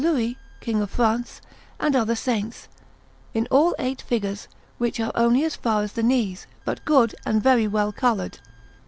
Louis King of France, and other Saints, in all eight figures, which are only as far as the knees, but good and very well coloured.